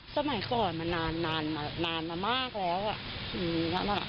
สมัยก่อนมานานมามากเลย